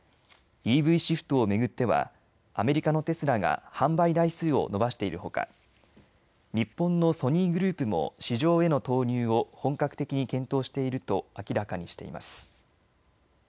ＥＶシフトを巡ってはアメリカのテスラが販売台数を伸ばしているほか、日本のソニーグループも市場への投入を本格的に検討していると明らかにしています。